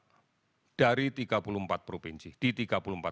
sudah empat ratus dua puluh satu kabupaten kota yang terdampak